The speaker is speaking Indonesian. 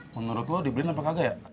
menurut lo dibeliin apa kagak ya